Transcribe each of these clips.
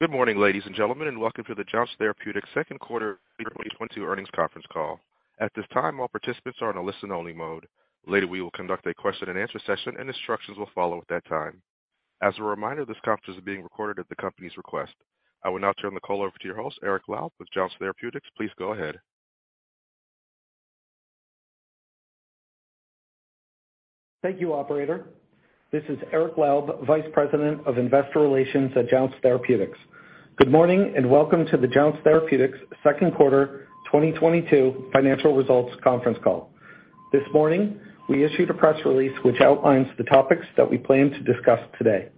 Good morning, ladies and gentlemen, and welcome to the Jounce Therapeutics second quarter 2022 earnings conference call. At this time, all participants are in a listen-only mode. Later, we will conduct a question-and-answer session, and instructions will follow at that time. As a reminder, this conference is being recorded at the company's request. I will now turn the call over to your host, Eric Laub with Jounce Therapeutics. Please go ahead. Thank you, operator. This is Eric Laub, Vice President of Investor Relations at Jounce Therapeutics. Good morning, and welcome to the Jounce Therapeutics second quarter 2022 financial results conference call. This morning, we issued a press release which outlines the topics that we plan to discuss today.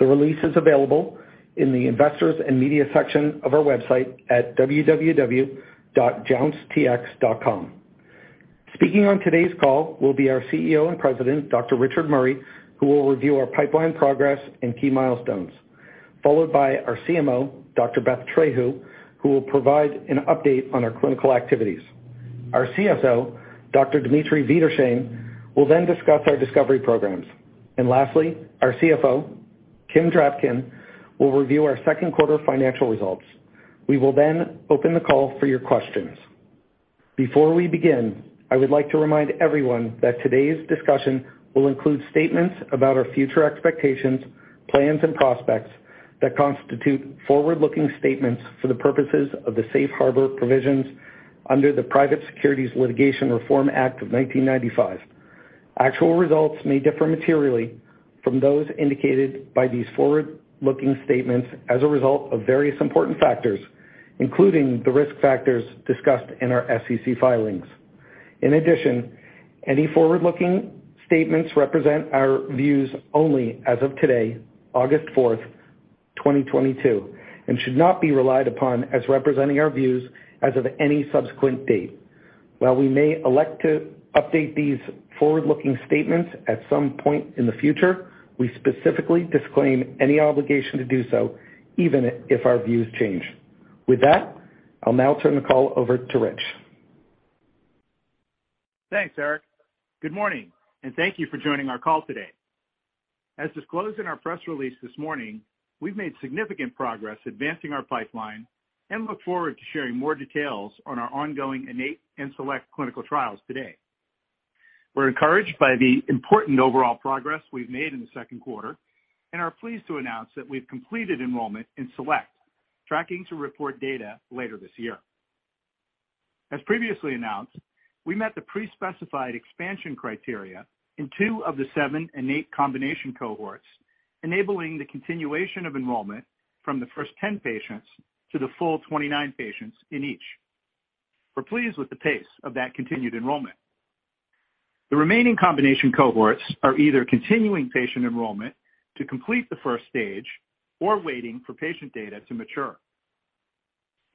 The release is available in the Investors and Media section of our website at www.jouncetx.com. Speaking on today's call will be our CEO and President, Dr. Richard Murray, who will review our pipeline progress and key milestones. Followed by our CMO, Dr. Beth Trehu, who will provide an update on our clinical activities. Our CSO, Dr. Dmitri Wiederschain, will then discuss our discovery programs. Lastly, our CFO, Kim Drapkin, will review our second quarter financial results. We will then open the call for your questions. Before we begin, I would like to remind everyone that today's discussion will include statements about our future expectations, plans, and prospects that constitute forward-looking statements for the purposes of the Safe Harbor provisions under the Private Securities Litigation Reform Act of 1995. Actual results may differ materially from those indicated by these forward-looking statements as a result of various important factors, including the risk factors discussed in our SEC filings. In addition, any forward-looking statements represent our views only as of today, August 4, 2022, and should not be relied upon as representing our views as of any subsequent date. While we may elect to update these forward-looking statements at some point in the future, we specifically disclaim any obligation to do so, even if our views change. With that, I'll now turn the call over to Rich. Thanks, Eric. Good morning, and thank you for joining our call today. As disclosed in our press release this morning, we've made significant progress advancing our pipeline and look forward to sharing more details on our ongoing INNATE and SELECT clinical trials today. We're encouraged by the important overall progress we've made in the second quarter and are pleased to announce that we've completed enrollment in SELECT, tracking to report data later this year. As previously announced, we met the pre-specified expansion criteria in two of the seven INNATE combination cohorts, enabling the continuation of enrollment from the first 10 patients to the full 29 patients in each. We're pleased with the pace of that continued enrollment. The remaining combination cohorts are either continuing patient enrollment to complete the first stage or waiting for patient data to mature.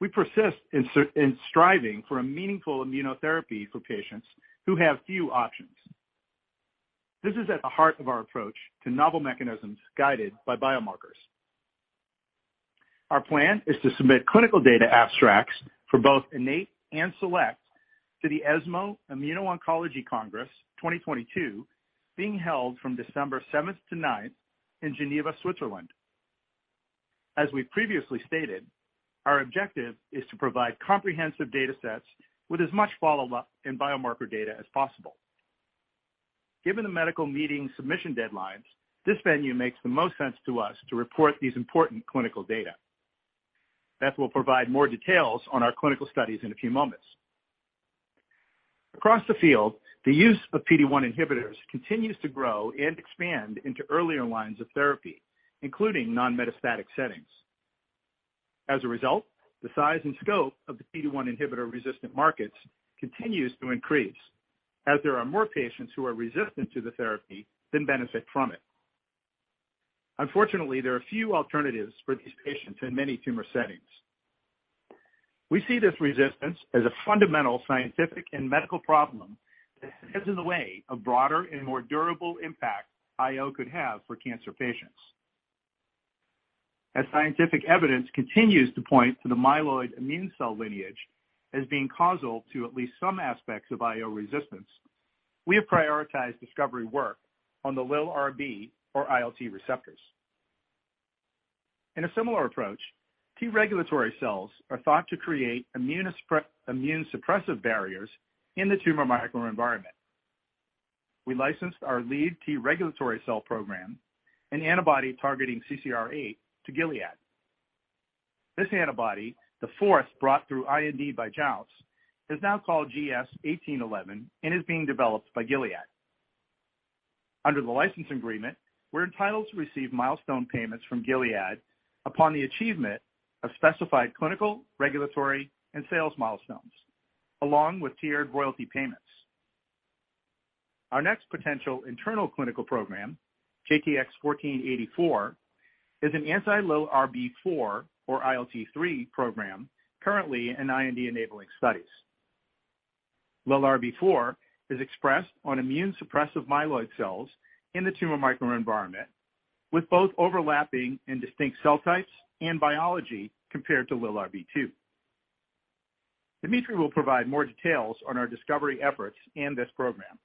We persist in striving for a meaningful immunotherapy for patients who have few options. This is at the heart of our approach to novel mechanisms guided by biomarkers. Our plan is to submit clinical data abstracts for both INNATE and SELECT to the ESMO Immuno-Oncology Congress 2022 being held from December 7th-9th in Geneva, Switzerland. As we've previously stated, our objective is to provide comprehensive datasets with as much follow-up and biomarker data as possible. Given the medical meeting submission deadlines, this venue makes the most sense to us to report these important clinical data. Beth will provide more details on our clinical studies in a few moments. Across the field, the use of PD-1 inhibitors continues to grow and expand into earlier lines of therapy, including non-metastatic settings. As a result, the size and scope of the PD-1 inhibitor-resistant markets continues to increase as there are more patients who are resistant to the therapy than benefit from it. Unfortunately, there are few alternatives for these patients in many tumor settings. We see this resistance as a fundamental scientific and medical problem that stands in the way of broader and more durable impact IO could have for cancer patients. As scientific evidence continues to point to the myeloid immune cell lineage as being causal to at least some aspects of IO resistance, we have prioritized discovery work on the LILRB or ILT receptors. In a similar approach, T-regulatory cells are thought to create immunosuppressive barriers in the tumor microenvironment. We licensed our lead T-regulatory cell program, an antibody targeting CCR8, to Gilead. This antibody, the fourth brought through IND by Jounce, is now called GS-1811 and is being developed by Gilead. Under the license agreement, we're entitled to receive milestone payments from Gilead upon the achievement of specified clinical, regulatory, and sales milestones, along with tiered royalty payments. Our next potential internal clinical program, JTX-1484, is an anti-LILRB4 or ILT3 program currently in IND-enabling studies. LILRB4 is expressed on immune-suppressive myeloid cells in the tumor microenvironment with both overlapping and distinct cell types and biology compared to LILRB2. Dmitri will provide more details on our discovery efforts and this program.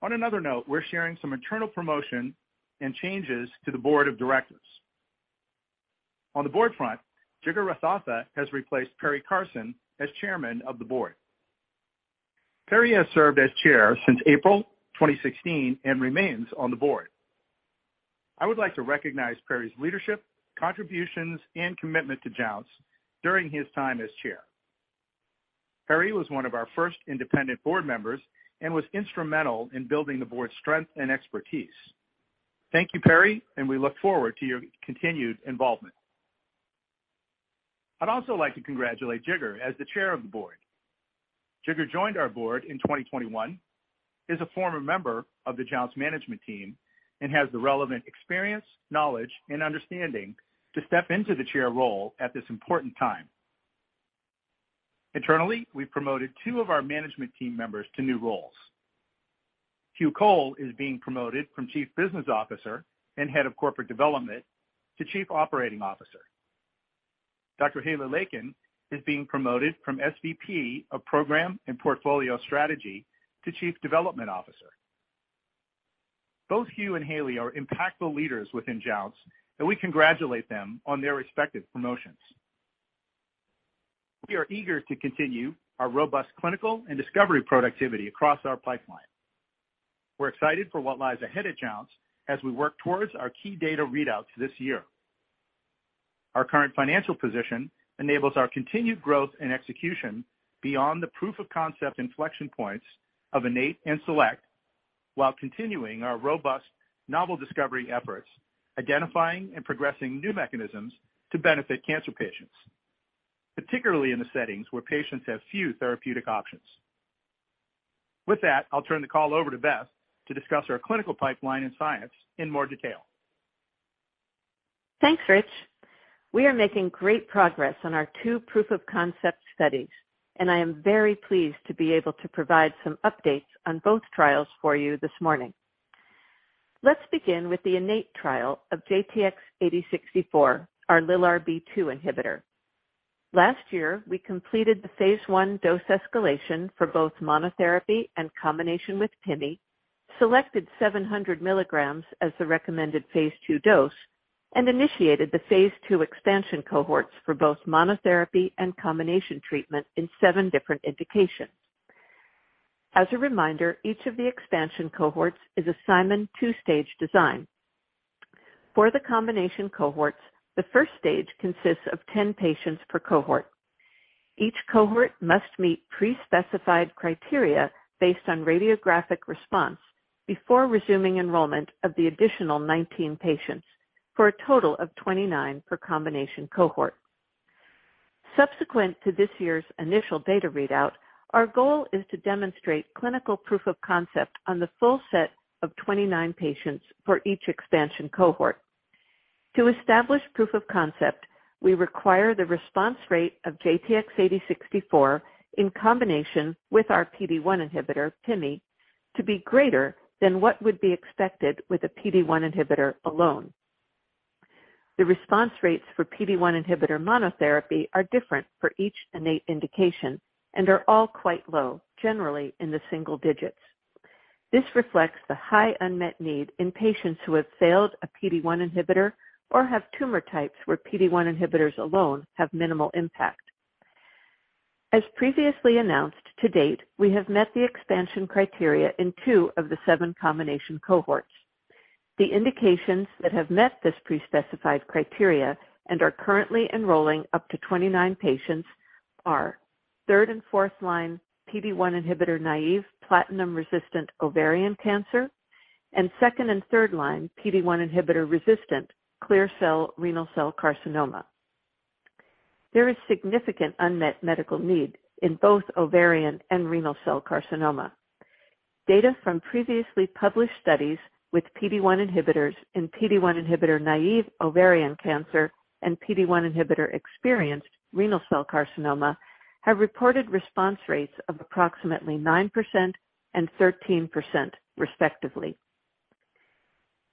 On another note, we're sharing some internal promotion and changes to the board of directors. On the board front, Jigar Raythatha has replaced Perry Karsen as chairman of the board. Perry has served as chair since April 2016 and remains on the board. I would like to recognize Perry's leadership, contributions, and commitment to Jounce during his time as chair. Perry was one of our first independent board members and was instrumental in building the board's strength and expertise. Thank you, Perry, and we look forward to your continued involvement. I'd also like to congratulate Jigar as the chair of the board. Jigar joined our board in 2021, is a former member of the Jounce management team, and has the relevant experience, knowledge, and understanding to step into the chair role at this important time. Internally, we promoted two of our management team members to new roles. Hugh Cole is being promoted from Chief Business Officer and Head of Corporate Development to Chief Operating Officer. Dr. Haley Laken is being promoted from SVP of Program and Portfolio Strategy to Chief Development Officer. Both Hugh and Haley are impactful leaders within Jounce, and we congratulate them on their respective promotions. We are eager to continue our robust clinical and discovery productivity across our pipeline. We're excited for what lies ahead at Jounce as we work towards our key data readouts this year. Our current financial position enables our continued growth and execution beyond the proof of concept inflection points of INNATE and SELECT, while continuing our robust novel discovery efforts, identifying and progressing new mechanisms to benefit cancer patients, particularly in the settings where patients have few therapeutic options. With that, I'll turn the call over to Beth to discuss our clinical pipeline and science in more detail. Thanks, Rich. We are making great progress on our two proof-of-concept studies, and I am very pleased to be able to provide some updates on both trials for you this morning. Let's begin with the INNATE trial of JTX-8064, our LILRB2 inhibitor. Last year, we completed the phase I dose escalation for both monotherapy and combination with pimi, selected 700mg as the recommended phase II dose, and initiated the phase II expansion cohorts for both monotherapy and combination treatment in seven different indications. As a reminder, each of the expansion cohorts is a Simon two-stage design. For the combination cohorts, the first stage consists of 10 patients per cohort. Each cohort must meet pre-specified criteria based on radiographic response before resuming enrollment of the additional 19 patients for a total of 29 per combination cohort. Subsequent to this year's initial data readout, our goal is to demonstrate clinical proof of concept on the full set of 29 patients for each expansion cohort. To establish proof of concept, we require the response rate of JTX-8064 in combination with our PD-1 inhibitor, pimi, to be greater than what would be expected with a PD-1 inhibitor alone. The response rates for PD-1 inhibitor monotherapy are different for each INNATE indication and are all quite low, generally in the single digits. This reflects the high unmet need in patients who have failed a PD-1 inhibitor or have tumor types where PD-1 inhibitors alone have minimal impact. As previously announced, to date, we have met the expansion criteria in two of the seven combination cohorts. The indications that have met this pre-specified criteria and are currently enrolling up to 29 patients are third and fourth line PD-1 inhibitor naive platinum-resistant ovarian cancer and second and third line PD-1 inhibitor resistant clear cell renal cell carcinoma. There is significant unmet medical need in both ovarian and renal cell carcinoma. Data from previously published studies with PD-1 inhibitors in PD-1 inhibitor naive ovarian cancer and PD-1 inhibitor experienced renal cell carcinoma have reported response rates of approximately 9% and 13% respectively.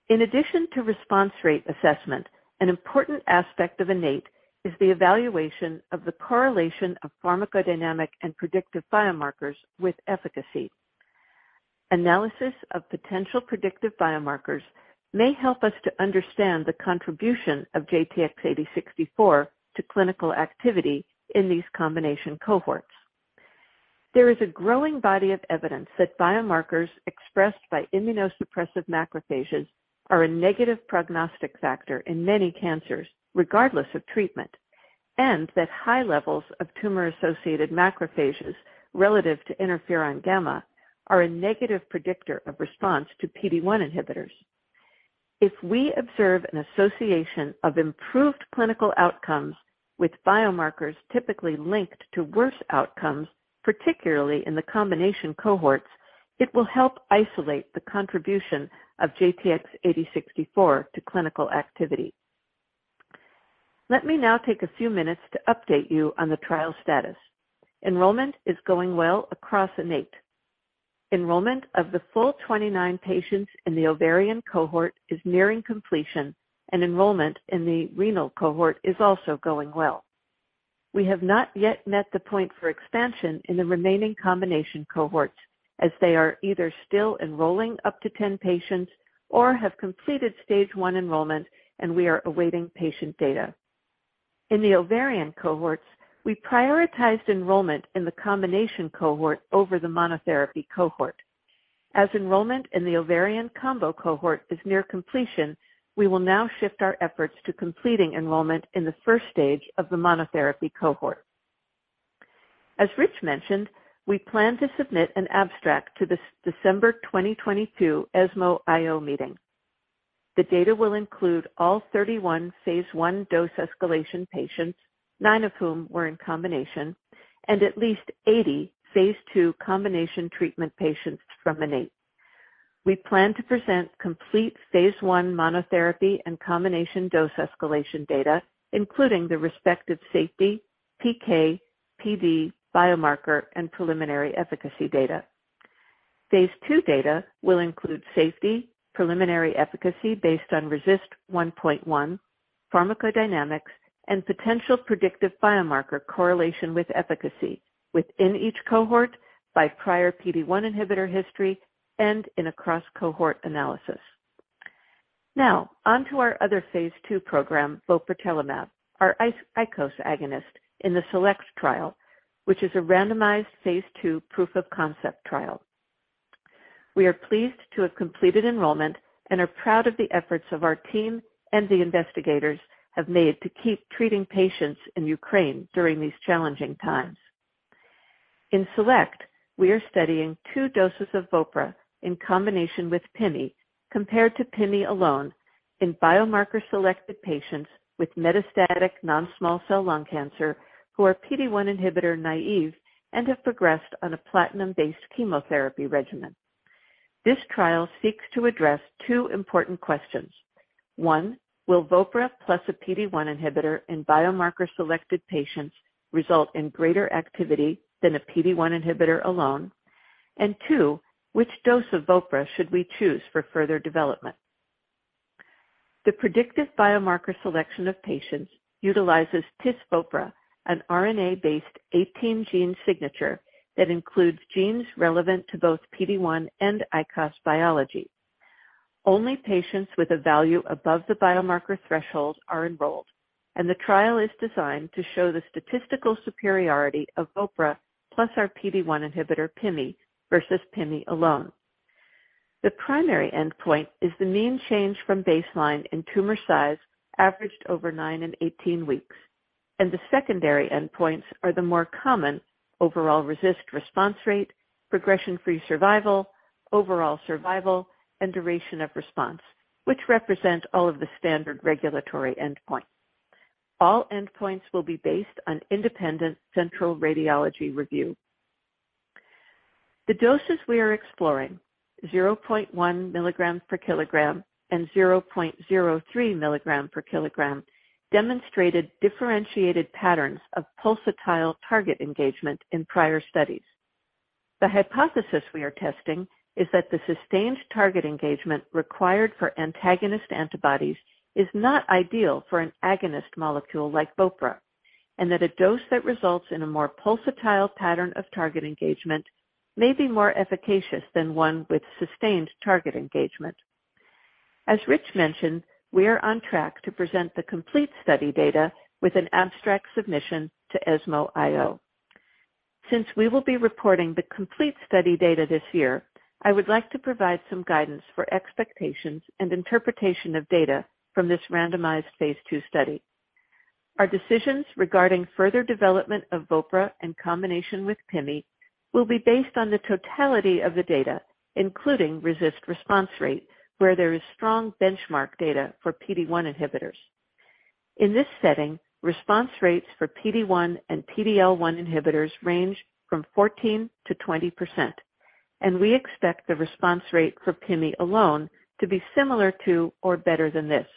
In addition to response rate assessment, an important aspect of INNATE is the evaluation of the correlation of pharmacodynamic and predictive biomarkers with efficacy. Analysis of potential predictive biomarkers may help us to understand the contribution of JTX-8064 to clinical activity in these combination cohorts. There is a growing body of evidence that biomarkers expressed by immunosuppressive macrophages are a negative prognostic factor in many cancers, regardless of treatment, and that high levels of tumor-associated macrophages relative to Interferon gamma are a negative predictor of response to PD-1 inhibitors. If we observe an association of improved clinical outcomes with biomarkers typically linked to worse outcomes, particularly in the combination cohorts, it will help isolate the contribution of JTX-8064 to clinical activity. Let me now take a few minutes to update you on the trial status. Enrollment is going well across INNATE. Enrollment of the full 29 patients in the ovarian cohort is nearing completion, and enrollment in the renal cohort is also going well. We have not yet met the point for expansion in the remaining combination cohorts, as they are either still enrolling up to 10 patients or have completed stage 1 enrollment, and we are awaiting patient data. In the ovarian cohorts, we prioritized enrollment in the combination cohort over the monotherapy cohort. As enrollment in the ovarian combo cohort is near completion, we will now shift our efforts to completing enrollment in the first stage of the monotherapy cohort. As Rich mentioned, we plan to submit an abstract to this December 2022 ESMO IO meeting. The data will include all 31 phase I dose escalation patients, nine of whom were in combination, and at least 80 phase II combination treatment patients from INNATE. We plan to present complete phase I monotherapy and combination dose escalation data, including the respective safety, PK, PD, biomarker, and preliminary efficacy data. Phase II data will include safety, preliminary efficacy based on RECIST 1.1, pharmacodynamics, and potential predictive biomarker correlation with efficacy within each cohort by prior PD-1 inhibitor history and in a cross-cohort analysis. Now on to our other phase II program, vopratelimab, our ICOS agonist in the SELECT trial, which is a randomized phase II proof of concept trial. We are pleased to have completed enrollment and are proud of the efforts of our team and the investigators have made to keep treating patients in Ukraine during these challenging times. In SELECT, we are studying two doses of vopra in combination with pimi compared to pimi alone in biomarker-selected patients with metastatic non-small cell lung cancer who are PD-1 inhibitor naive and have progressed on a platinum-based chemotherapy regimen. This trial seeks to address 2 important questions. One, will vopra plus a PD-1 inhibitor in biomarker-selected patients result in greater activity than a PD-1 inhibitor alone? Two, which dose of vopra should we choose for further development? The predictive biomarker selection of patients utilizes TISvopra, an RNA-based 18-gene signature that includes genes relevant to both PD-1 and ICOS biology. Only patients with a value above the biomarker threshold are enrolled, and the trial is designed to show the statistical superiority of vopra plus our PD-1 inhibitor pimi versus pimi alone. The primary endpoint is the mean change from baseline in tumor size averaged over nine and 18 weeks, and the secondary endpoints are the more common overall RECIST response rate, progression-free survival, overall survival, and duration of response, which represent all of the standard regulatory endpoint. All endpoints will be based on independent central radiology review. The doses we are exploring, 0.1 mg/kg and 0.03 mg/kg, demonstrated differentiated patterns of pulsatile target engagement in prior studies. The hypothesis we are testing is that the sustained target engagement required for antagonist antibodies is not ideal for an agonist molecule like vopra, and that a dose that results in a more pulsatile pattern of target engagement may be more efficacious than one with sustained target engagement. As Rich mentioned, we are on track to present the complete study data with an abstract submission to ESMO IO. Since we will be reporting the complete study data this year, I would like to provide some guidance for expectations and interpretation of data from this randomized phase II study. Our decisions regarding further development of vopra in combination with pimi will be based on the totality of the data, including RECIST response rate, where there is strong benchmark data for PD-1 inhibitors. In this setting, response rates for PD-1 and PD-L1 inhibitors range from 14%-20%, and we expect the response rate for pimi alone to be similar to or better than this.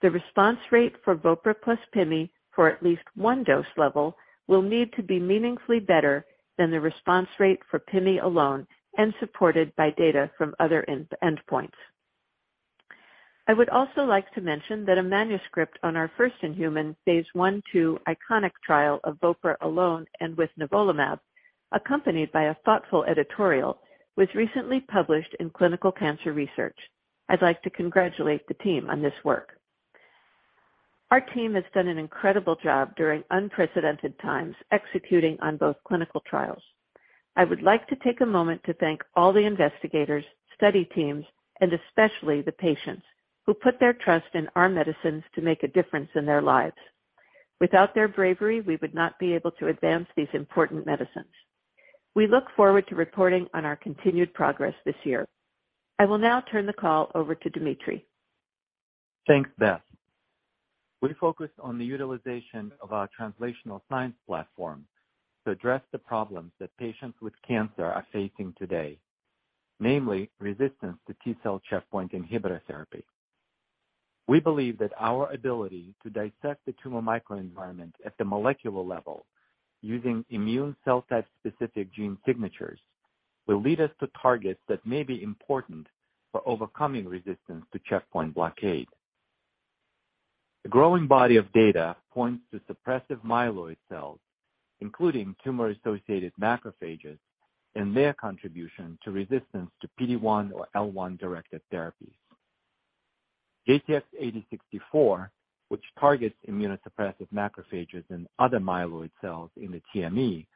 The response rate for vopra plus pimi for at least one dose level will need to be meaningfully better than the response rate for pimi alone and supported by data from other endpoints. I would also like to mention that a manuscript on our first-in-human phase I/II ICONIC trial of vopra alone and with nivolumab, accompanied by a thoughtful editorial, was recently published in Clinical Cancer Research. I'd like to congratulate the team on this work. Our team has done an incredible job during unprecedented times executing on both clinical trials. I would like to take a moment to thank all the investigators, study teams, and especially the patients who put their trust in our medicines to make a difference in their lives. Without their bravery, we would not be able to advance these important medicines. We look forward to reporting on our continued progress this year. I will now turn the call over to Dmitri. Thanks, Beth. We focused on the utilization of our translational science platform to address the problems that patients with cancer are facing today, namely resistance to T-cell checkpoint inhibitor therapy. We believe that our ability to dissect the tumor microenvironment at the molecular level using immune cell type-specific gene signatures will lead us to targets that may be important for overcoming resistance to checkpoint blockade. A growing body of data points to suppressive myeloid cells, including tumor-associated macrophages, and their contribution to resistance to PD-1 or PD-L1-directed therapies. JTX-8064, which targets immunosuppressive macrophages and other myeloid cells in the TME,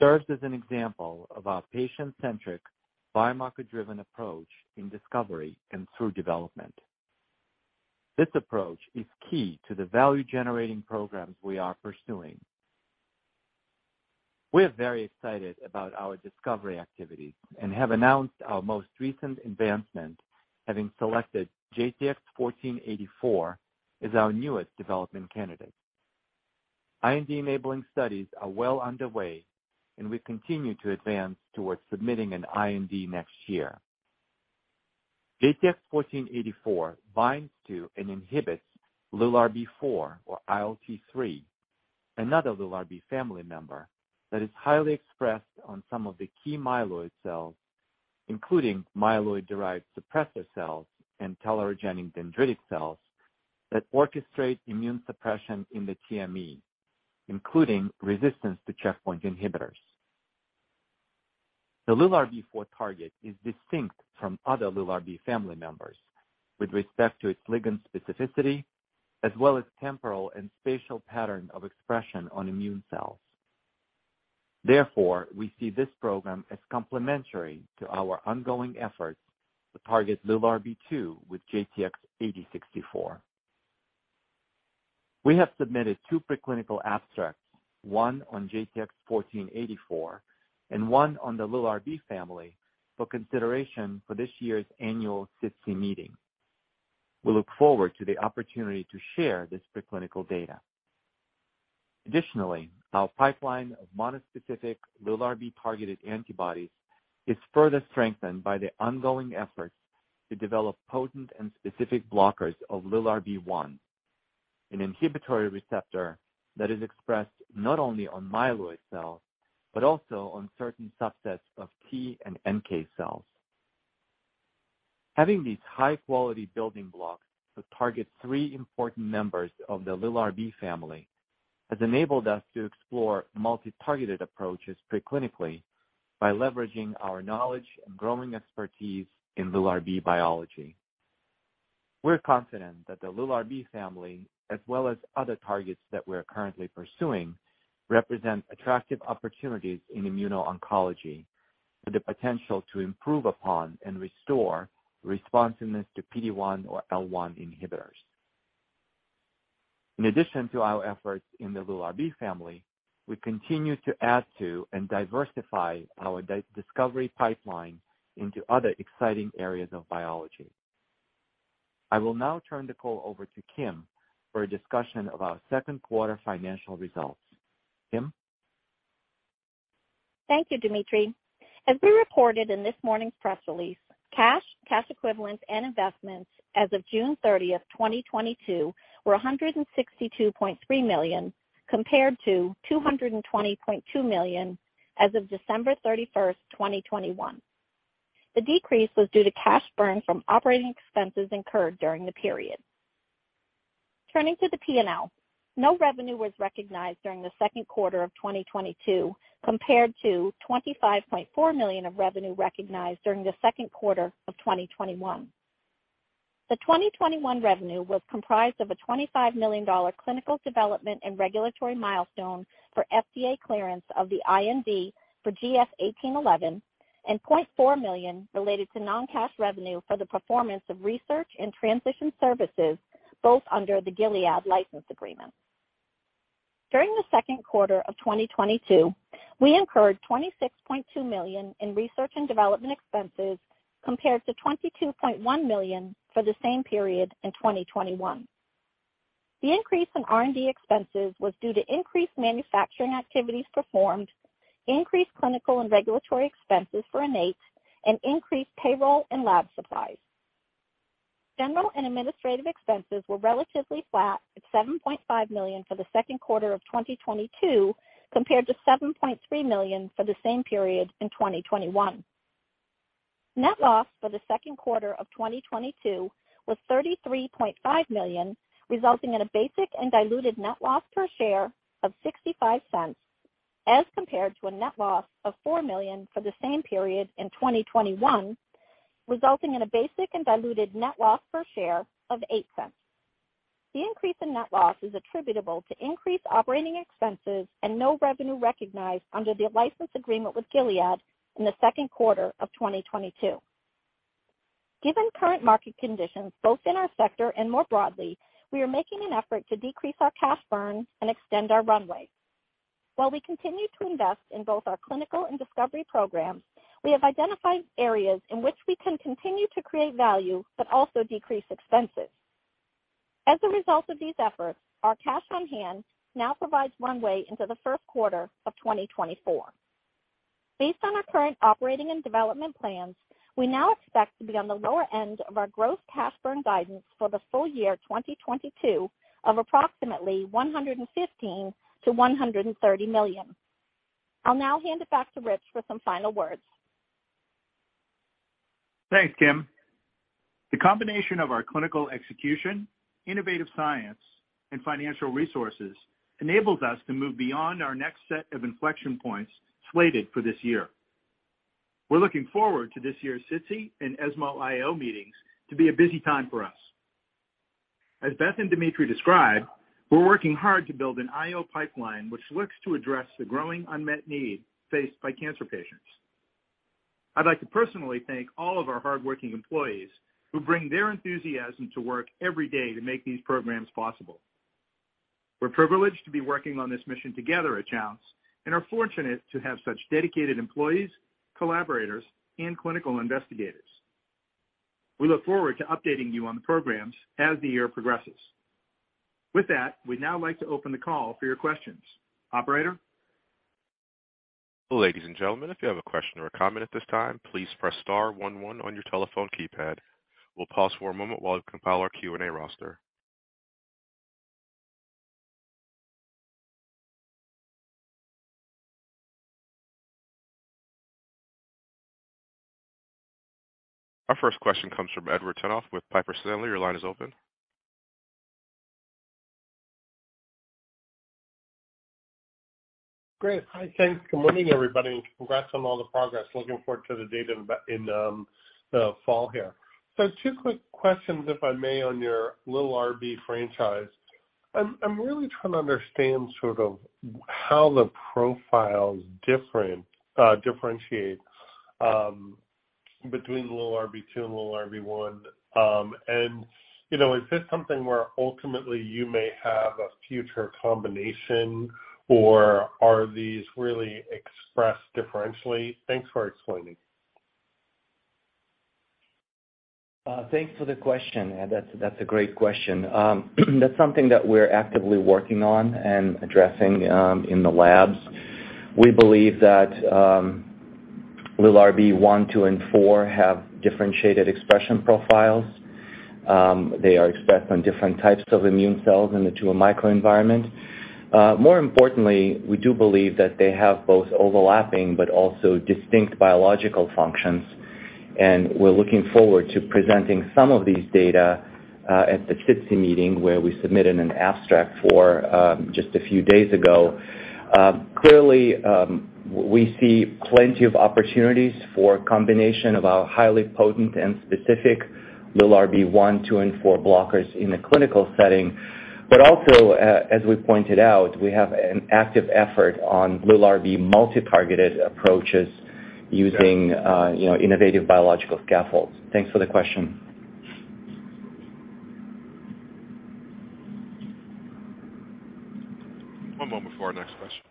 serves as an example of our patient-centric, biomarker-driven approach in discovery and through development. This approach is key to the value-generating programs we are pursuing. We are very excited about our discovery activities and have announced our most recent advancement, having selected JTX-1484 as our newest development candidate. IND-enabling studies are well underway, and we continue to advance towards submitting an IND next year. JTX-1484 binds to and inhibits LILRB4 or ILT3, another LILRB family member that is highly expressed on some of the key myeloid cells, including myeloid-derived suppressor cells and tolerogenic dendritic cells that orchestrate immune suppression in the TME, including resistance to checkpoint inhibitors. The LILRB4 target is distinct from other LILRB family members with respect to its ligand specificity as well as temporal and spatial pattern of expression on immune cells. Therefore, we see this program as complementary to our ongoing efforts to target LILRB2 with JTX-8064. We have submitted two preclinical abstracts, one on JTX-1484 and one on the LILRB family, for consideration for this year's annual SITC meeting. We look forward to the opportunity to share this preclinical data. Our pipeline of monospecific LILRB-targeted antibodies is further strengthened by the ongoing efforts to develop potent and specific blockers of LILRB1, an inhibitory receptor that is expressed not only on myeloid cells, but also on certain subsets of T and NK cells. Having these high-quality building blocks to target three important members of the LILRB family has enabled us to explore multi-targeted approaches preclinically by leveraging our knowledge and growing expertise in LILRB biology. We're confident that the LILRB family, as well as other targets that we are currently pursuing, represent attractive opportunities in immuno-oncology with the potential to improve upon and restore responsiveness to PD-1 or PD-L1 inhibitors. In addition to our efforts in the LILRB family, we continue to add to and diversify our discovery pipeline into other exciting areas of biology. I will now turn the call over to Kim for a discussion of our second quarter financial results. Kim? Thank you, Dmitri. As we reported in this morning's press release, cash equivalents and investments as of June 30th, 2022 were $162.3 million, compared to $220.2 million as of December 31st, 2021. The decrease was due to cash burn from operating expenses incurred during the period. Turning to the P&L, no revenue was recognized during the second quarter of 2022, compared to $25.4 million of revenue recognized during the second quarter of 2021. The 2021 revenue was comprised of a $25 million clinical development and regulatory milestone for FDA clearance of the IND for GS-1811 and $0.4 million related to non-cash revenue for the performance of research and transition services, both under the Gilead license agreement. During the second quarter of 2022, we incurred $26.2 million in research and development expenses, compared to $22.1 million for the same period in 2021. The increase in R&D expenses was due to increased manufacturing activities performed, increased clinical and regulatory expenses for INNATE, and increased payroll and lab supplies. General and administrative expenses were relatively flat at $7.5 million for the second quarter of 2022, compared to $7.3 million for the same period in 2021. Net loss for the second quarter of 2022 was $33.5 million, resulting in a basic and diluted net loss per share of $0.65 as compared to a net loss of $4 million for the same period in 2021, resulting in a basic and diluted net loss per share of $0.08. The increase in net loss is attributable to increased operating expenses and no revenue recognized under the license agreement with Gilead in the second quarter of 2022. Given current market conditions, both in our sector and more broadly, we are making an effort to decrease our cash burn and extend our runway. While we continue to invest in both our clinical and discovery programs, we have identified areas in which we can continue to create value but also decrease expenses. As a result of these efforts, our cash on hand now provides runway into the first quarter of 2024. Based on our current operating and development plans, we now expect to be on the lower end of our growth cash burn guidance for the full year 2022 of approximately $115 million-$130 million. I'll now hand it back to Rich for some final words. Thanks, Kim. The combination of our clinical execution, innovative science, and financial resources enables us to move beyond our next set of inflection points slated for this year. We're looking forward to this year's SITC and ESMO IO meetings to be a busy time for us. As Beth and Dmitri described, we're working hard to build an IO pipeline which looks to address the growing unmet need faced by cancer patients. I'd like to personally thank all of our hardworking employees who bring their enthusiasm to work every day to make these programs possible. We're privileged to be working on this mission together at Jounce and are fortunate to have such dedicated employees, collaborators, and clinical investigators. We look forward to updating you on the programs as the year progresses. With that, we'd now like to open the call for your questions. Operator? Ladies and gentlemen, if you have a question or a comment at this time, please press star one one on your telephone keypad. We'll pause for a moment while we compile our Q&A roster. Our first question comes from Edward Tenthoff with Piper Sandler. Your line is open. Great. Hi. Thanks. Good morning, everybody, and congrats on all the progress. Looking forward to the data in the fall here. Two quick questions, if I may, on your LILRB franchise. I'm really trying to understand sort of how the profiles differentiate between LILRB2 and LILRB1. You know, is this something where ultimately you may have a future combination, or are these really expressed differentially? Thanks for explaining. Thanks for the question. That's a great question. That's something that we're actively working on and addressing in the labs. We believe that LILRB1, LILRB2, and LILRB4 have differentiated expression profiles. They are expressed on different types of immune cells in the tumor microenvironment. More importantly, we do believe that they have both overlapping but also distinct biological functions, and we're looking forward to presenting some of these data at the SITC meeting where we submitted an abstract for just a few days ago. Clearly, we see plenty of opportunities for combination of our highly potent and specific LILRB1, LILRB2, and LILRB4 blockers in a clinical setting. But also, as we pointed out, we have an active effort on LILRB multi-targeted approaches using you know, innovative biological scaffolds. Thanks for the question. One moment for our next question.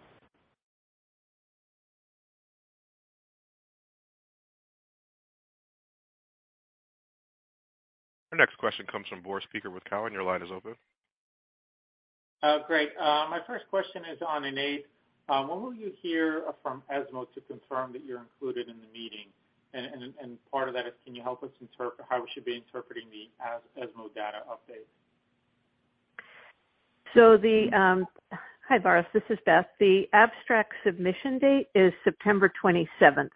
Our next question comes from Boris Peaker with Cowen. Your line is open. Great. My first question is on INNATE. When will you hear from ESMO to confirm that you're included in the meeting? Part of that is, can you help us interpret how we should be interpreting the ESMO data update? Hi, Boris. This is Beth. The abstract submission date is September 27th.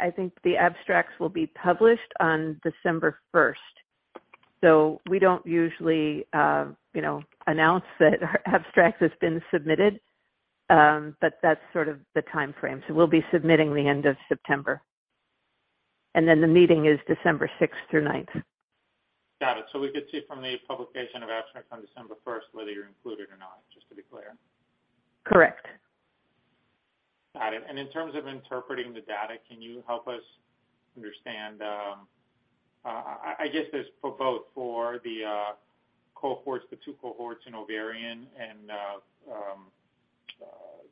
I think the abstracts will be published on December 1st. We don't usually you know announce that our abstract has been submitted, but that's sort of the timeframe. We'll be submitting the end of September. The meeting is December 6th through 9th. Got it. We could see from the publication of abstracts on December first whether you're included or not, just to be clear? Correct. Got it. In terms of interpreting the data, can you help us understand, I guess this for both, for the cohorts, the two cohorts in ovarian and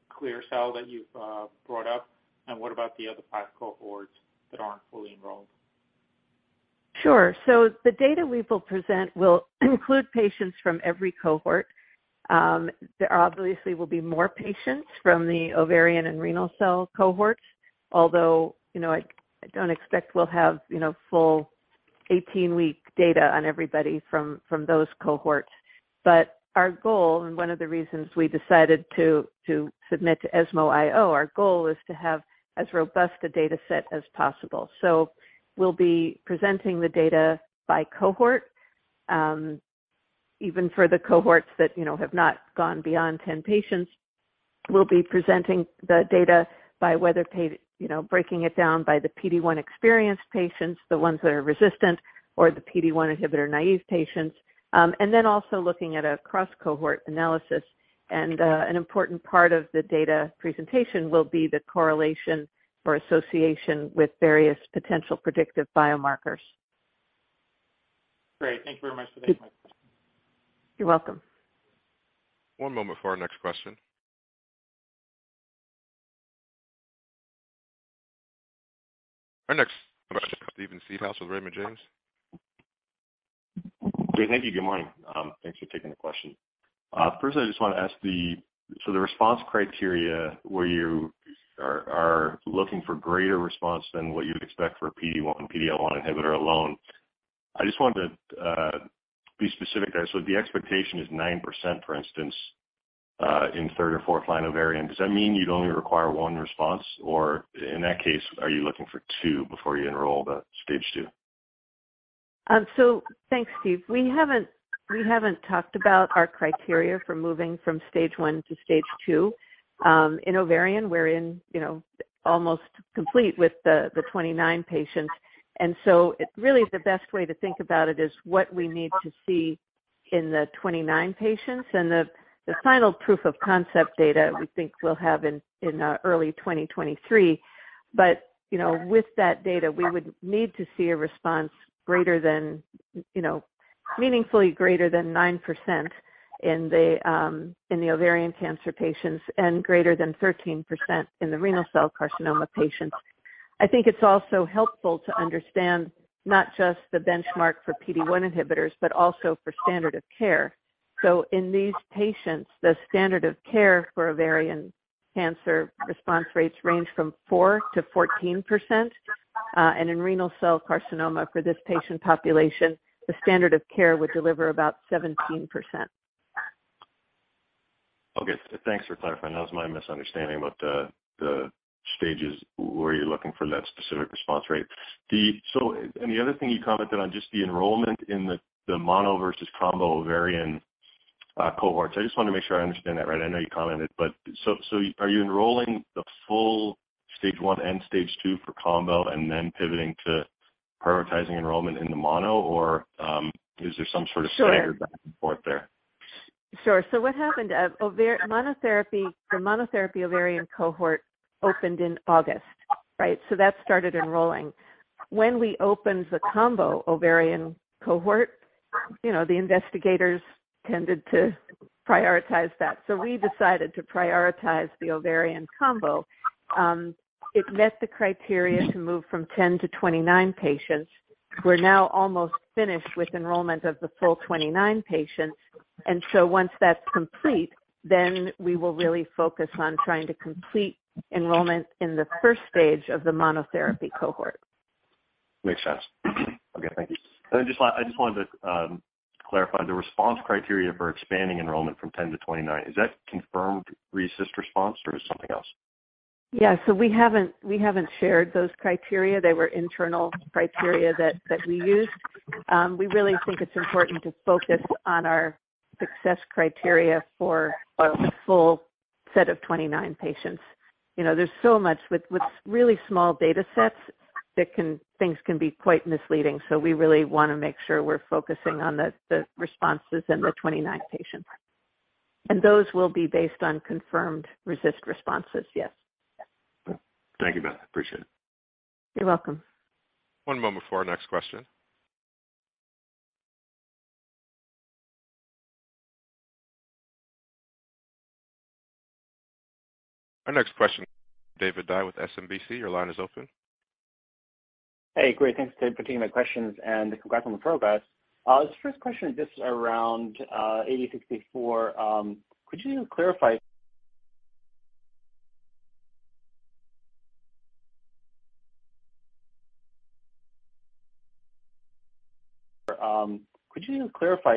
clear cell that you've brought up, and what about the other five cohorts that aren't fully enrolled? Sure. The data we will present will include patients from every cohort. There obviously will be more patients from the ovarian and renal cell cohorts, although, you know, I don't expect we'll have, you know, full 18-week data on everybody from those cohorts. Our goal, and one of the reasons we decided to submit to ESMO IO, our goal is to have as robust a data set as possible. We'll be presenting the data by cohort. Even for the cohorts that, you know, have not gone beyond 10 patients, we'll be presenting the data by whether you know, breaking it down by the PD-1 experienced patients, the ones that are resistant, or the PD-1 inhibitor naive patients, and then also looking at a cross-cohort analysis. An important part of the data presentation will be the correlation or association with various potential predictive biomarkers. Great. Thank you very much for taking my call. You're welcome. One moment for our next question. Our next question, Steven Seedhouse with Raymond James. Great. Thank you. Good morning. Thanks for taking the question. First, I just want to ask the response criteria where you are looking for greater response than what you would expect for a PD-1, PD-L1 inhibitor alone. I just wanted to be specific there. The expectation is 9%, for instance, in third- or fourth-line ovarian. Does that mean you'd only require one response? Or in that case, are you looking for two before you enroll the stage two? Thanks, Steve. We haven't talked about our criteria for moving from stage one to stage two. In ovarian, we're almost complete with the 29 patients. Really the best way to think about it is what we need to see in the 29 patients and the final proof of concept data we think we'll have in early 2023. You know, with that data, we would need to see a response greater than, you know, meaningfully greater than 9% in the ovarian cancer patients and greater than 13% in the renal cell carcinoma patients. I think it's also helpful to understand not just the benchmark for PD-1 inhibitors, but also for standard of care. In these patients, the standard of care for ovarian cancer response rates range from 4%-14%. In renal cell carcinoma for this patient population, the standard of care would deliver about 17%. Okay. Thanks for clarifying. That was my misunderstanding about the stages where you're looking for that specific response rate. The other thing you commented on just the enrollment in the mono versus combo ovarian cohorts. I just want to make sure I understand that right. I know you commented, but so are you enrolling the full stage 1 and stage 2 for combo and then pivoting to prioritizing enrollment in the mono? Or, is there some sort of standard back and forth there? Sure. What happened, monotherapy, the monotherapy ovarian cohort opened in August, right? That started enrolling. When we opened the combo ovarian cohort, you know, the investigators tended to prioritize that. We decided to prioritize the ovarian combo. It met the criteria to move from 10-29 patients. We're now almost finished with enrollment of the full 29 patients. Once that's complete, then we will really focus on trying to complete enrollment in the first stage of the monotherapy cohort. Makes sense. Okay, thank you. I just wanted to clarify the response criteria for expanding enrollment from 10-29 patients. Is that confirmed RECIST response or is it something else? Yeah. We haven't shared those criteria. They were internal criteria that we used. We really think it's important to focus on our success criteria for our full set of 29 patients. You know, there's so much with really small data sets. Things can be quite misleading. We really wanna make sure we're focusing on the responses in the 29 patients. Those will be based on confirmed RECIST responses, yes. Thank you, Beth. Appreciate it. You're welcome. One moment for our next question. Our next question, David Dai with SMBC. Your line is open. Hey, great. Thanks for taking my questions, and congrats on the progress. This first question is just around JTX-8064. Could you clarify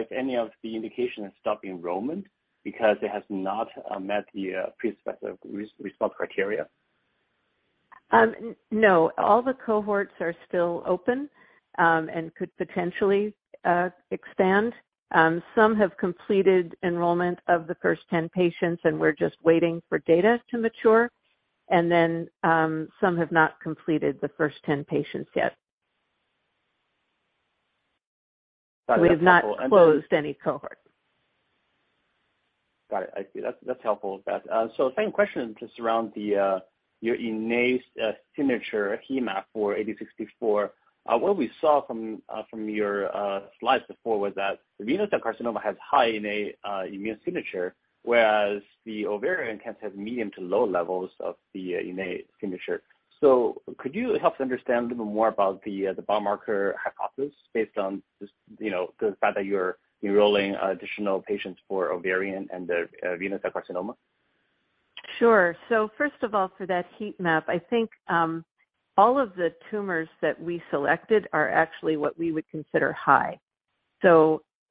if any of the indication has stopped enrollment because it has not met the pre-specified response criteria? No. All the cohorts are still open, and could potentially expand. Some have completed enrollment of the first 10 patients, and we're just waiting for data to mature. Some have not completed the first 10 patients yet. We have not closed any cohort. Got it. I see. That's helpful, Beth. Same question just around your INNATE signature heat map for JTX-8064. What we saw from your slides before was that the renal cell carcinoma has high INNATE immune signature, whereas the ovarian cancer has medium to low levels of the INNATE signature. Could you help to understand a little more about the biomarker hypothesis based on just, you know, the fact that you're enrolling additional patients for ovarian and the renal cell carcinoma? Sure. First of all, for that heat map, I think, all of the tumors that we selected are actually what we would consider high.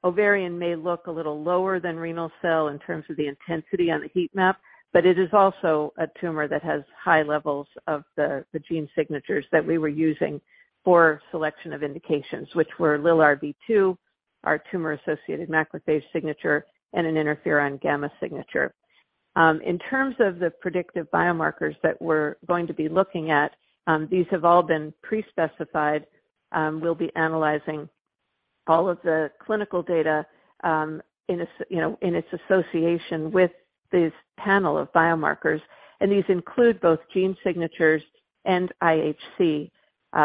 Ovarian may look a little lower than renal cell in terms of the intensity on the heat map, but it is also a tumor that has high levels of the gene signatures that we were using for selection of indications, which were LILRB2, our tumor-associated macrophage signature, and an Interferon gamma signature. In terms of the predictive biomarkers that we're going to be looking at, these have all been pre-specified. We'll be analyzing all of the clinical data, in its, you know, association with this panel of biomarkers, and these include both gene signatures and IHC.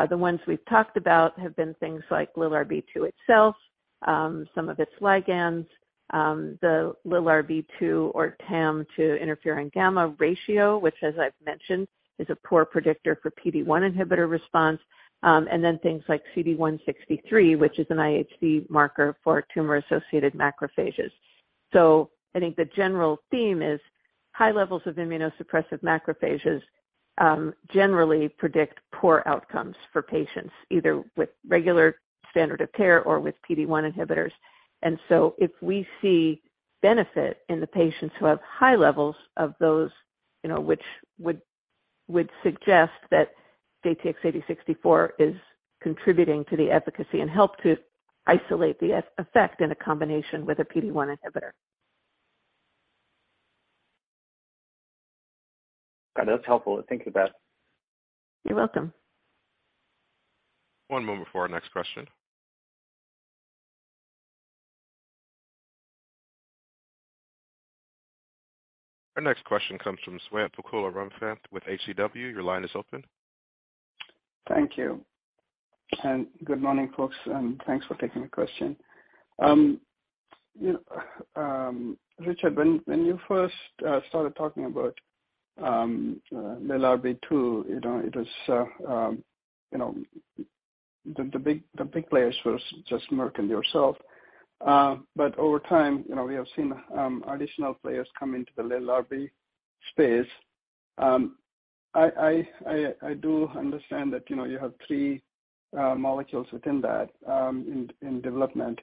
The ones we've talked about have been things like LILRB2 itself, some of its ligands, the LILRB2 Interferon gamma ratio, which as I've mentioned, is a poor predictor for PD-1 inhibitor response, and then things like CD163, which is an IHC marker for tumor-associated macrophages. I think the general theme is high levels of immunosuppressive macrophages generally predict poor outcomes for patients, either with regular standard of care or with PD-1 inhibitors. If we see benefit in the patients who have high levels of those, you know, which would suggest that JTX-8064 is contributing to the efficacy and help to isolate the effect in a combination with a PD-1 inhibitor. That's helpful. Thank you, Beth. You're welcome. One moment for our next question. Our next question comes from Swayampakula Ramakanth with HCW. Your line is open. Thank you. Good morning, folks, and thanks for taking the question. Richard, when you first started talking about LILRB2, you know, it was the big players was just Merck and yourself. Over time, you know, we have seen additional players come into the LILRB space. I do understand that, you know, you have three molecules within that in development.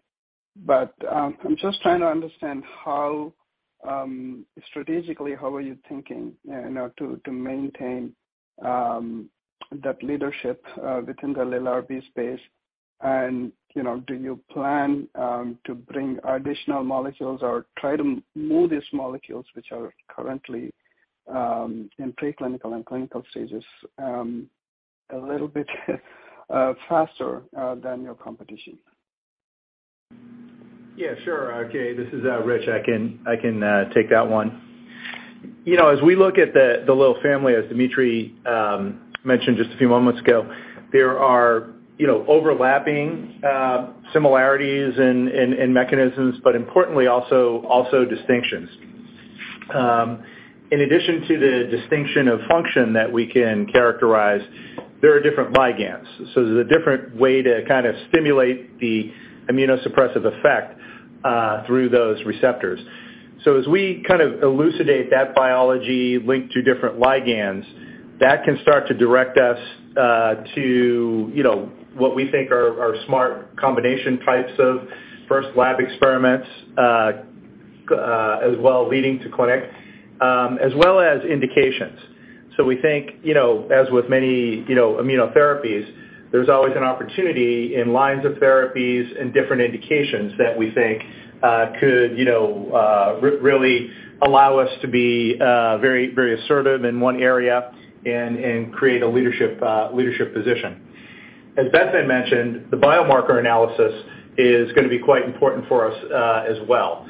I'm just trying to understand how strategically, how are you thinking, you know, to maintain that leadership within the LILRB space? You know, do you plan to bring additional molecules or try to move these molecules which are currently in preclinical and clinical stages a little bit faster than your competition? Yeah, sure. Okay. This is Rich. I can take that one. You know, as we look at the LIL family, as Dmitri mentioned just a few moments ago, there are, you know, overlapping similarities and mechanisms, but importantly, also distinctions. In addition to the distinction of function that we can characterize, there are different ligands. So there's a different way to kind of stimulate the immunosuppressive effect through those receptors. So as we kind of elucidate that biology linked to different ligands, that can start to direct us to, you know, what we think are smart combination types of first lab experiments as well leading to clinic, as well as indications. We think, you know, as with many, you know, immunotherapies, there's always an opportunity in lines of therapies and different indications that we think could, you know, really allow us to be very assertive in one area and create a leadership position. As Beth mentioned, the biomarker analysis is gonna be quite important for us as well.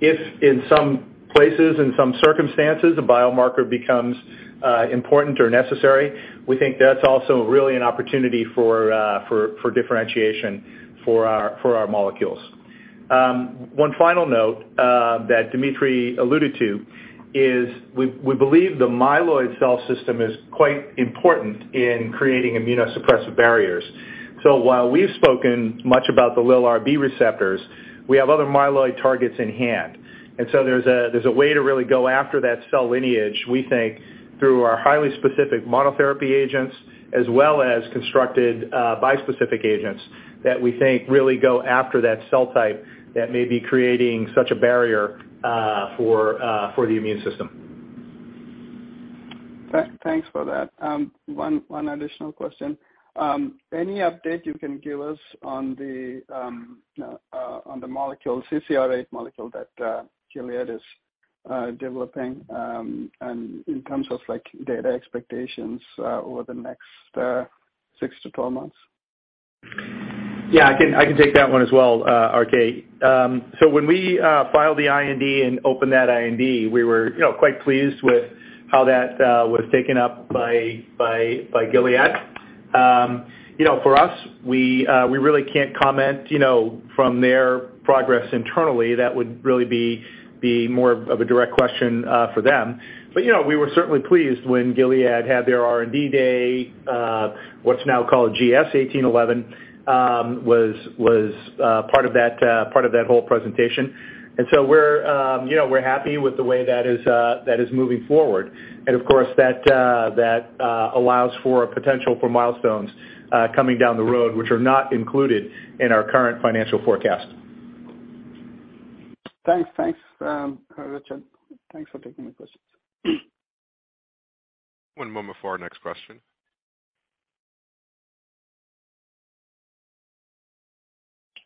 If in some places, in some circumstances, a biomarker becomes important or necessary, we think that's also really an opportunity for differentiation for our molecules. One final note that Dmitri alluded to is we believe the myeloid cell system is quite important in creating immunosuppressive barriers. While we've spoken much about the LILRB receptors, we have other myeloid targets in hand. There's a way to really go after that cell lineage, we think, through our highly specific monotherapy agents, as well as constructed bispecific agents that we think really go after that cell type that may be creating such a barrier for the immune system. Thanks for that. One additional question. Any update you can give us on the molecule, CCR8 molecule that Gilead is developing, and in terms of, like, data expectations, over the next six to 12 months? Yeah, I can take that one as well, RK. So when we filed the IND and opened that IND, we were, you know, quite pleased with how that was taken up by Gilead. You know, for us, we really can't comment, you know, from their progress internally. That would really be more of a direct question for them. You know, we were certainly pleased when Gilead had their R&D day, what's now called GS-1811, was part of that whole presentation. You know, we're happy with the way that is moving forward. Of course, that allows for a potential for milestones coming down the road, which are not included in our current financial forecast. Thanks. Thanks, Richard. Thanks for taking the questions. One moment for our next question.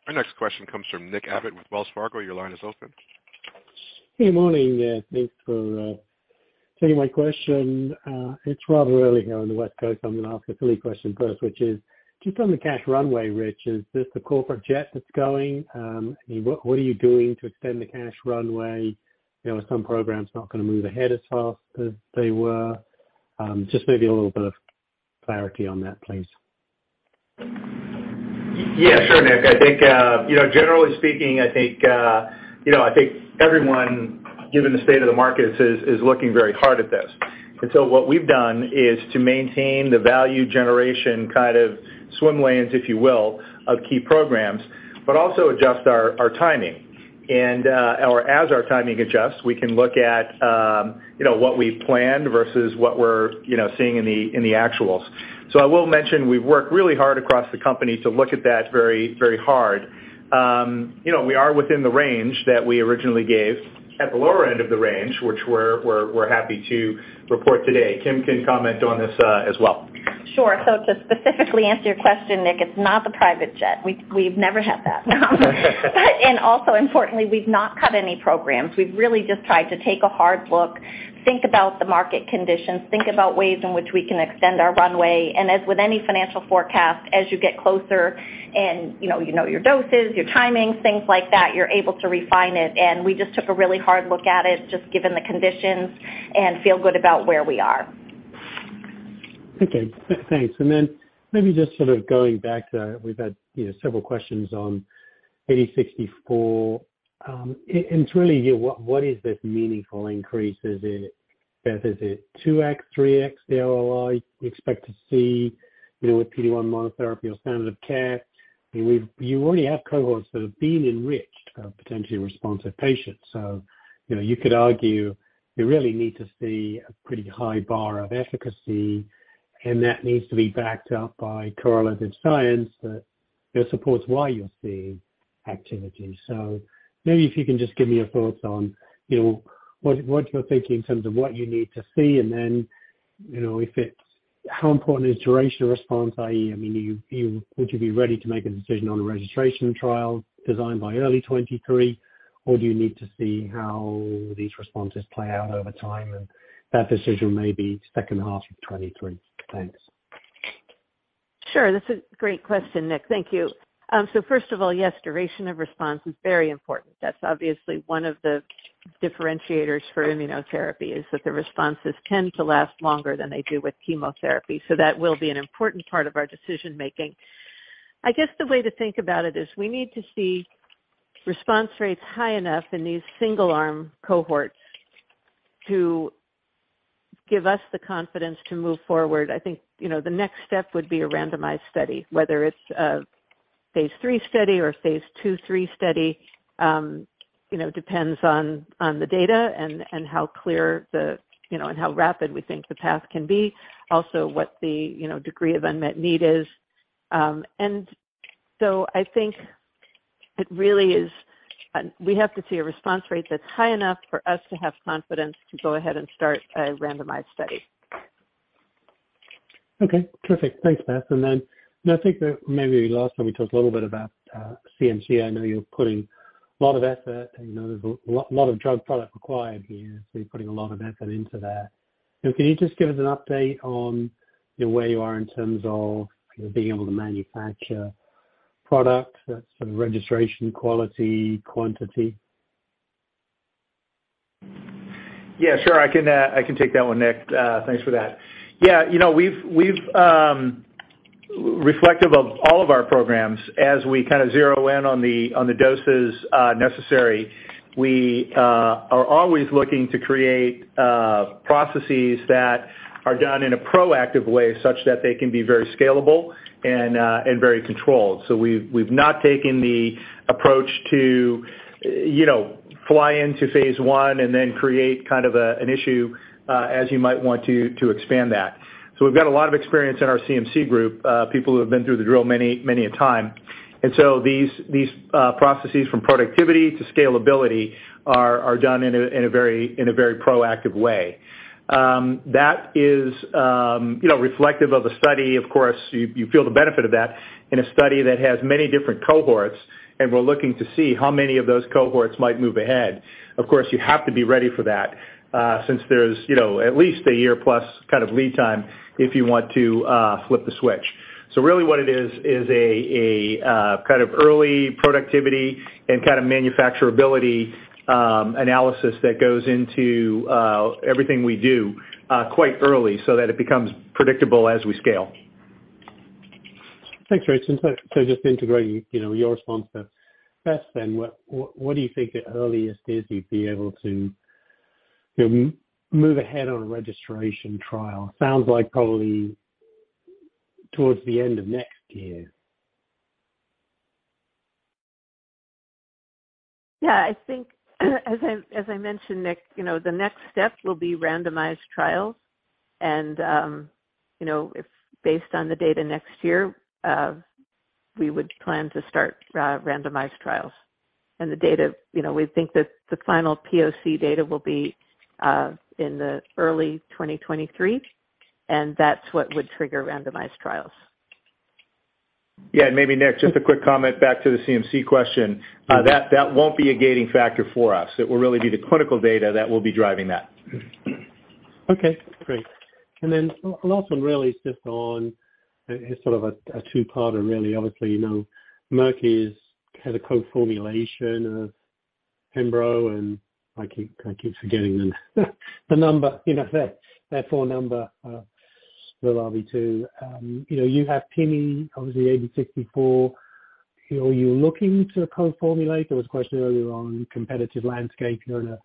Our next question comes from Nick Abbott with Wells Fargo. Your line is open. Good morning. Thanks for taking my question. It's rather early here on the West Coast. I'm gonna ask a silly question first, which is just on the cash runway, Rich, is this the corporate jet that's going? I mean, what are you doing to extend the cash runway? You know, are some programs not gonna move ahead as fast as they were? Just maybe a little bit of color there, clarity on that, please. Yeah, sure, Nick. I think, you know, generally speaking, I think, you know, I think everyone, given the state of the markets, is looking very hard at this. What we've done is to maintain the value generation kind of swim lanes, if you will, of key programs, but also adjust our timing. As our timing adjusts, we can look at, you know, what we've planned versus what we're, you know, seeing in the actuals. I will mention we've worked really hard across the company to look at that very, very hard. You know, we are within the range that we originally gave, at the lower end of the range, which we're happy to report today. Kim can comment on this, as well. Sure. To specifically answer your question, Nick, it's not the private jet. We've never had that. Also, importantly, we've not cut any programs. We've really just tried to take a hard look, think about the market conditions, think about ways in which we can extend our runway. As with any financial forecast, as you get closer and, you know, your doses, your timing, things like that, you're able to refine it. We just took a really hard look at it, just given the conditions, and feel good about where we are. Okay. Thanks. Then maybe just sort of going back to that, we've had, you know, several questions on JTX-8064. And really, you know, what is this meaningful increase? Is it, Beth, is it 2x, 3x the ROI you expect to see, you know, with PD-1 monotherapy or standard of care? I mean, you already have cohorts that have been enriched, potentially responsive patients. You know, you could argue you really need to see a pretty high bar of efficacy, and that needs to be backed up by correlated science that, you know, supports why you're seeing activity. Maybe if you can just give me your thoughts on, you know, what you're thinking in terms of what you need to see. You know, if it's how important is duration of response, i.e., I mean, you would be ready to make a decision on a registration trial designed by early 2023? Or do you need to see how these responses play out over time, and that decision may be second half of 2023? Thanks. Sure. That's a great question, Nick. Thank you. First of all, yes, duration of response is very important. That's obviously one of the differentiators for immunotherapy, is that the responses tend to last longer than they do with chemotherapy. That will be an important part of our decision-making. I guess the way to think about it is we need to see response rates high enough in these single-arm cohorts to give us the confidence to move forward. I think, you know, the next step would be a randomized study, whether it's a phase III study or a phase II/III study, you know, depends on the data and how clear, you know, and how rapid we think the path can be, also what the, you know, degree of unmet need is. I think it really is we have to see a response rate that's high enough for us to have confidence to go ahead and start a randomized study. Okay, terrific. Thanks, Beth. Then I think that maybe last time we talked a little bit about CMC. I know you're putting a lot of effort and, you know, there's a lot of drug product required here, so you're putting a lot of effort into that. Can you just give us an update on, you know, where you are in terms of, you know, being able to manufacture product, that's sort of registration, quality, quantity? Yeah, sure. I can take that one, Nick. Thanks for that. Yeah, you know, we've reflective of all of our programs as we kind of zero in on the doses necessary, we are always looking to create processes that are done in a proactive way such that they can be very scalable and very controlled. We've not taken the approach to, you know, fly into phase I and then create kind of an issue as you might want to expand that. We've got a lot of experience in our CMC group, people who have been through the drill many a time. These processes from productivity to scalability are done in a very proactive way. That is, you know, reflective of a study. Of course, you feel the benefit of that in a study that has many different cohorts, and we're looking to see how many of those cohorts might move ahead. Of course, you have to be ready for that, since there's, you know, at least a year-plus kind of lead time if you want to flip the switch. Really what it is is a kind of early productivity and kind of manufacturability analysis that goes into everything we do quite early so that it becomes predictable as we scale. Thanks, Rich. Just integrating, you know, your response to Beth then, what do you think the earliest is you'd be able to, you know, move ahead on a registration trial? Sounds like probably towards the end of next year. Yeah. I think, as I mentioned, Nick, you know, the next step will be randomized trials and, you know, if based on the data next year, we would plan to start randomized trials. The data, you know, we think that the final POC data will be in the early 2023, and that's what would trigger randomized trials. Yeah. Maybe, Nick, just a quick comment back to the CMC question. Yeah. That won't be a gating factor for us. It will really be the clinical data that will be driving that. Okay, great. Last one really is just on, it's sort of a two-parter really. Obviously, you know, Merck is kind of co-formulation of pembro and I keep forgetting the number, you know, their PD-1 Keytruda. You know, you have pimi, obviously 8064. You know, are you looking to co-formulate? There was a question earlier on competitive landscape. You're in a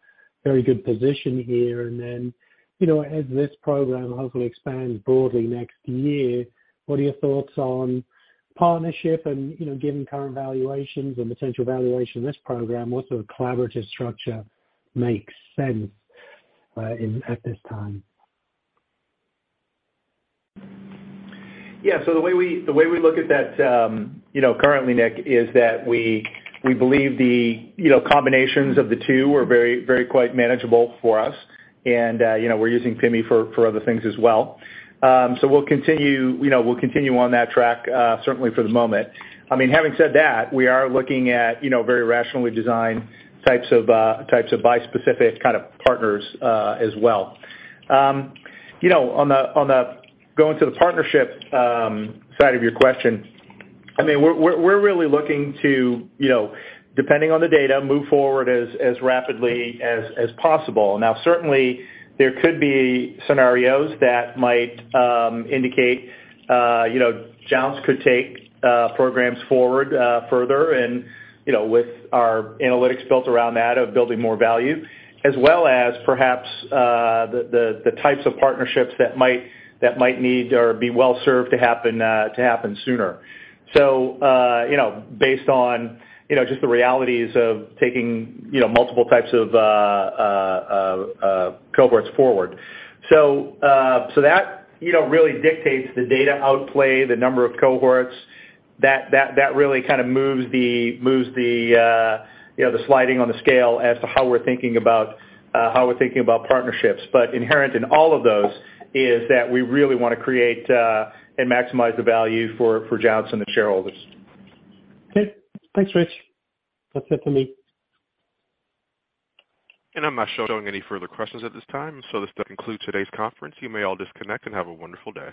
very good position here, and then, you know, as this program hopefully expands broadly next year, what are your thoughts on partnership and, you know, given current valuations and potential valuation of this program, what sort of collaborative structure makes sense at this time? Yeah. The way we look at that, you know, currently, Nick, is that we believe the combinations of the two are very quite manageable for us and, you know, we're using pimi for other things as well. We'll continue on that track, certainly for the moment. I mean, having said that, we are looking at very rationally designed types of bispecific kind of partners as well. On the partnership side of your question, I mean, we're really looking to, you know, depending on the data, move forward as rapidly as possible. Now certainly there could be scenarios that might indicate, you know, Jounce could take programs forward further and, you know, with our analytics built around that of building more value, as well as perhaps the types of partnerships that might need or be well served to happen sooner. You know, based on, you know, just the realities of taking, you know, multiple types of cohorts forward. That, you know, really dictates the data readout, the number of cohorts that really kind of moves the, you know, the sliding on the scale as to how we're thinking about partnerships. Inherent in all of those is that we really wanna create and maximize the value for Jounce and the shareholders. Okay. Thanks, Rich. That's it for me. I'm not showing any further questions at this time, so this does conclude today's conference. You may all disconnect and have a wonderful day.